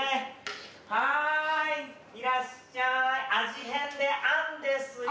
はいいらっしゃい味変であんですよ。